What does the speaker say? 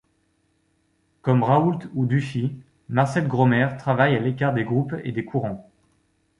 Comme Rouault ou Dufy, Marcel Gromaire travaille à l’écart des groupes et des courants.